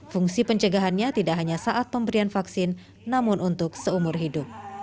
fungsi pencegahannya tidak hanya saat pemberian vaksin namun untuk seumur hidup